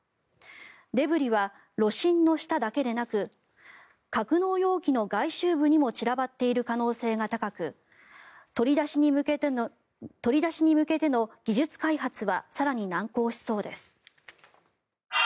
デブリは炉心の下だけでなく格納容器の外周部にも散らばっている可能性が高く取り出しに向けての技術開発は更に難航しそうです。